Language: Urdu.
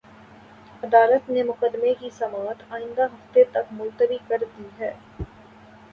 عدالت نے مقدمے کی سماعت آئندہ ہفتے تک ملتوی کر دی ہے